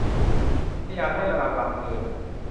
ถ้าอยากได้ระดับหลักหมื่น